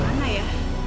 ya dimana ya